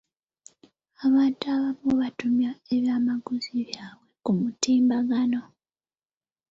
Abantu abamu batumya ebyamaguzi byabwe ku mutimbagano.